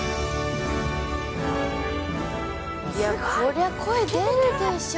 こりゃ、声出るでしょ。